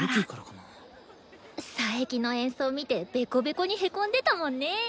佐伯の演奏見てベコベコにへこんでたもんね。